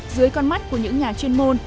dưới con mắt của những nhà chuyên môn